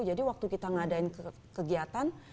jadi waktu kita ngadain kegiatan